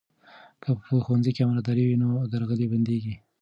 که په ښوونځي کې امانتداري وي، نو درغلي بندېږي.